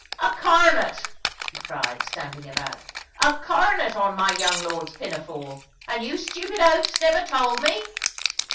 "A coronet!" he cried, stamping about; "a coronet on my young lord's pinafore, and you stupid oafs never told me!"